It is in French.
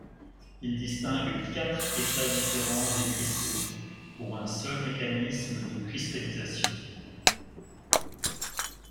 Il distingue quatre états différents des cristaux pour un seul mécanisme de cristallisation.